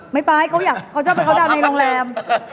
พี่ป้ายเขาอยากไปเข้าดาวน์ในโรงแรม